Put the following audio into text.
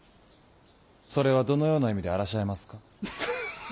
それはどのような意味であらしゃいますか。